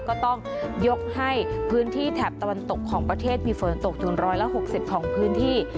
ก็ต้องยกให้พื้นที่แถบตะวันตกของประเทศมีฝนตกถึง๑๖๐ของพื้นที่